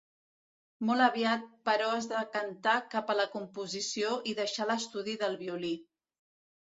Molt aviat, però es decantà cap a la composició i deixà l'estudi del violí.